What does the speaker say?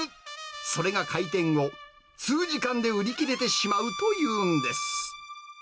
それが開店後、数時間で売り切れてしまうというんです。